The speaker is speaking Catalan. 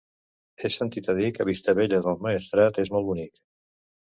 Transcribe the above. He sentit a dir que Vistabella del Maestrat és molt bonic.